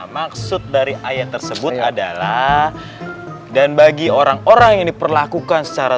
maksud dari ayat tersebut adalah dan bagi orang orang yang diperlakukan secara